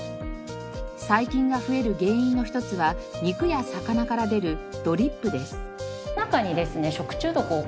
細菌が増える原因の一つは肉や魚から出るドリップです。